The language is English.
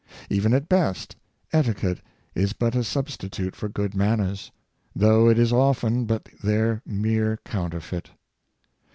Even at best, etiquette is but a substi tute for good manners, though it is often but their mere counterfeit.